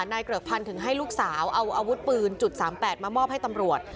เกริกพันธ์ถึงให้ลูกสาวเอาอาวุธปืน๓๘มามอบให้ตำรวจ